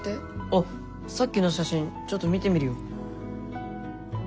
あっさっきの写真ちょっと見てみるよ。